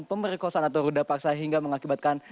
pemerkosaan atau ruda paksa hingga mengakibatkan